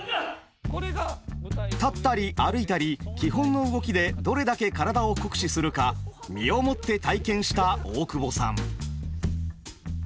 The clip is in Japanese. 立ったり歩いたり基本の動きでどれだけ体を酷使するか身をもって体験した大久保さん。